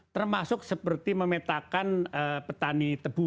termasuk seperti memetakan petani tebu